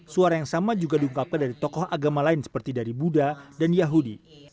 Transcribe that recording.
suara yang sama juga diungkapkan dari tokoh agama lain seperti dari buddha dan yahudi